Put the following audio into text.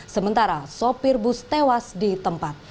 sementara sopir bus tewas di tempat